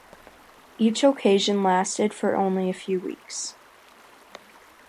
Each occasion lasted for only a few weeks.